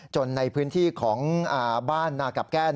ในพื้นที่ของบ้านนากับแก้